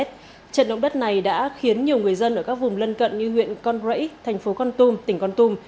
trận động đất này đã khiến nhiều người dân ở các vùng lân cận như huyện con rẫy thành phố con tum tỉnh con tum